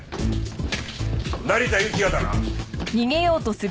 成田幸也だな？